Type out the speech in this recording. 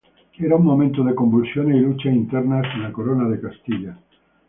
Era un momento de convulsiones y luchas internas en la Corona de Castilla.